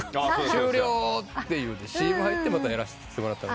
「終了！」ってＣＭ入ってまたやらせてもらったので。